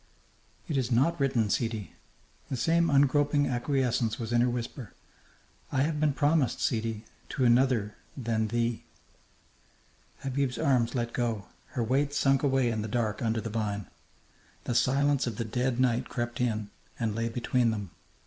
"It is not written, sidi." The same ungroping acquiescence was in her whisper. "I have been promised, sidi, to another than thee." Habib's arms let go; her weight sank away in the dark under the vine. The silence of the dead night crept in and lay between them.